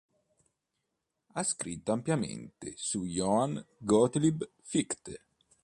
Ha scritto è ampiamente su Johann Gottlieb Fichte.